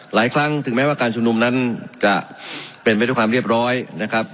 หลายครั้งถึงแม้ว่าการชุมนุมนั้นจะเป็นไปด้วยความเรียบร้อยนะครับ